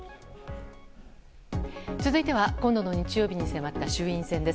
続いては、今度の日曜日に迫った衆院選です。